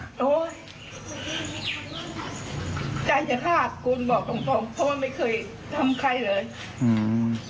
ใจจะฆาตคุณบอกตรงเพราะว่าไม่เคยทำใครเลยอืม